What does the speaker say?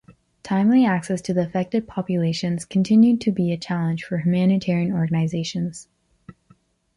Timely access to the affected populations continues to be a challenge for humanitarian organizations.